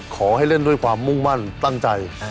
ขอให้เล่นด้วยความมุ่งมั่นตั้งใจ